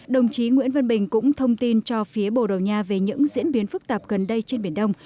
đồng chí nguyễn văn bình cũng thông tin cho phía bồ đầu nha về những diễn biến phức tạp gần đây trên biển đông